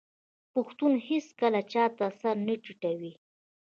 پښتون هیڅکله چا ته سر نه ټیټوي.